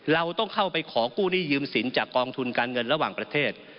เราต้องเข้าไปขอกู้หนี้ยืมสินจากกองทุนการเงินระหว่างประเทศ